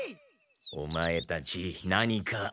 オマエたち何か。